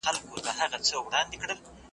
مُلا پاچا دی طالب ښاغلی .